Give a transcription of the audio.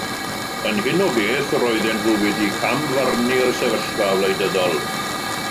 Yn hyn o beth, roedden nhw wedi camfarnu'r sefyllfa wleidyddol.